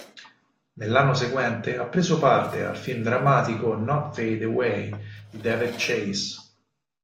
Nell'anno seguente ha preso parte al film drammatico "Not Fade Away" di David Chase.